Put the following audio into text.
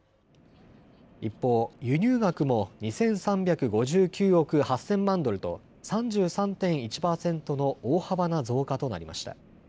一方、輸入額も２３５９億８０００万ドルと３３．１％の大幅な増加となりました。